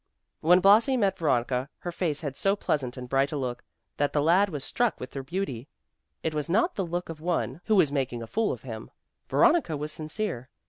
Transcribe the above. When Blasi met Veronica, her face had so pleasant and bright a look, that the lad was struck with her beauty. It was not the look of one who was making a fool of him. Veronica was sincere.